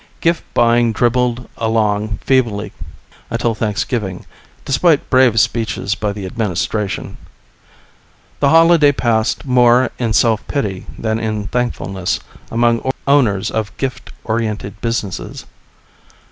Gift buying dribbled along feebly until Thanksgiving, despite brave speeches by the Administration. The holiday passed more in self pity than in thankfulness among owners of gift oriented businesses.